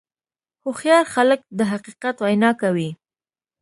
هوښیار خلک د حقیقت وینا کوي.